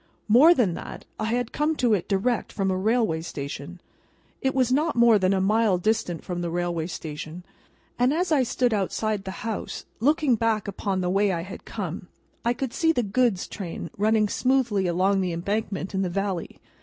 More than that: I had come to it direct from a railway station: it was not more than a mile distant from the railway station; and, as I stood outside the house, looking back upon the way I had come, I could see the goods train running smoothly along the embankment in the valley.